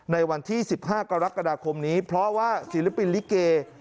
ในวันที่๑๕กรกฎาคมนี้เพราะว่าศิลปินลิเก